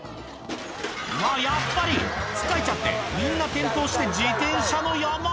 うわ、やっぱり、つかえちゃって、みんな転倒して自転車の山。